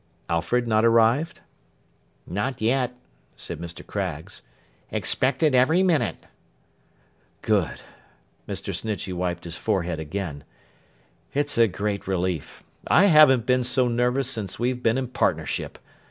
Alfred not arrived?' 'Not yet,' said Mr. Craggs. 'Expected every minute.' 'Good.' Mr. Snitchey wiped his forehead again. 'It's a great relief. I haven't been so nervous since we've been in partnership.